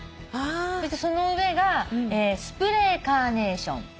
そしてその上がスプレーカーネーション。